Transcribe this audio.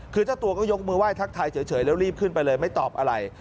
คือเจ้าตัวก็ยกมือไห้ทักทายเฉยแล้วรีบขึ้นไปเลยไม่ตอบอะไร